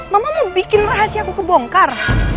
mama mau bikin rahasia aku kebongkar